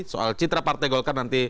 soal citra partai golkar nanti